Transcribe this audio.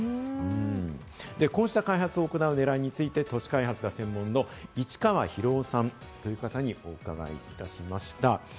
こうした開発を行う狙いについて、都市開発が専門の市川宏雄さんという方に伺いました。